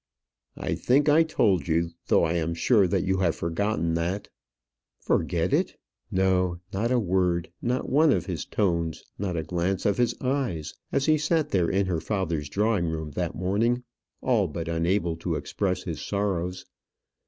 "I think I told you; though, I am sure, you have forgotten that." Forget it! no, not a word, not one of his tones, not a glance of his eyes, as he sat there in her father's drawing room that morning, all but unable to express his sorrows.